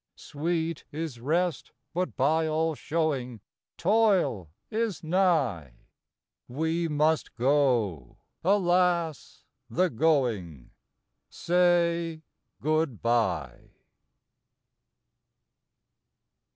Sweet is rest; but by all showing Toil is nigh. We must go. Alas ! the going. Say " Good bye."